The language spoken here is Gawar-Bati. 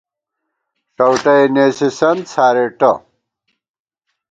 ݭؤٹئےنېسِسَنت څھارېٹہ